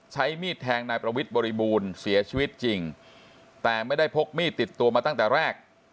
ใช้มีดแทงนายประวิทย์บริบูรณ์เสียชีวิตจริงแต่ไม่ได้พกมีดติดตัวมาตั้งแต่แรก